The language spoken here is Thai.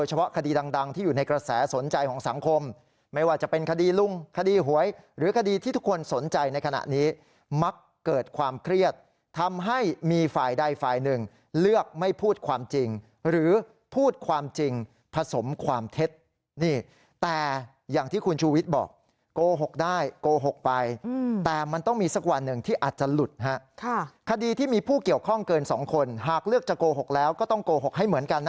หวยหรือคดีที่ทุกคนสนใจในขณะนี้มักเกิดความเครียดทำให้มีฝ่ายใดฝ่ายหนึ่งเลือกไม่พูดความจริงหรือพูดความจริงผสมความเท็จนี่แต่อย่างที่คุณชูวิทย์บอกโกหกได้โกหกไปอืมแต่มันต้องมีสักวันหนึ่งที่อาจจะหลุดฮะค่ะคดีที่มีผู้เกี่ยวข้องเกินสองคนหากเลือกจะโกหกแล้วก็ต้องโกหกให้เห